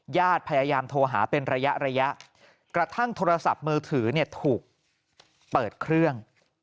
ญาติพยายามโทรหาเป็นระยะระยะกระทั่งโทรศัพท์มือถือเนี่ยถูกเปิดเครื่อง